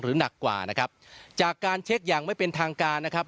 หนักกว่านะครับจากการเช็คอย่างไม่เป็นทางการนะครับ